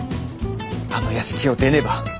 あの屋敷を出ねば。